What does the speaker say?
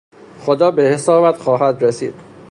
خدا به حسابت خواهد رسید!